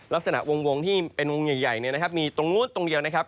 ลักษณะวงที่เป็นวงใหญ่มีตรงนู้นตรงเดียวนะครับ